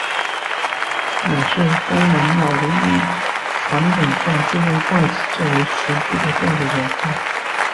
也是东南亚唯一传统上就用筷子作为食具的料理文化。